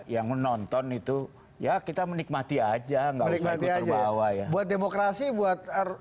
yang menonton itu ya kita menikmati aja nggak bisa ikut terbawa ya buat demokrasi buat